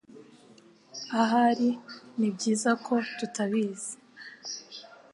Ahari nibyiza ko tutabizi